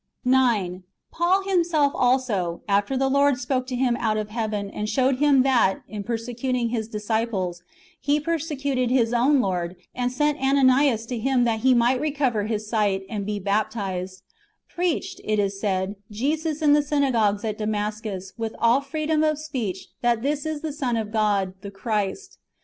9. Paul himself also — after that the Lord spoke to him out of heaven, and showed him that, in persecuting His disciples, he persecuted his own Lord, and sent Ananias to him, that he might recover his sight, and be baptized —" preached," it is said, "Jesus in the synagogues at Damascus, with all freedom of speech, that this is the Son of God, the Christ."